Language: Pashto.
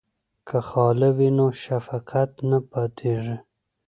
که خاله وي نو شفقت نه پاتیږي.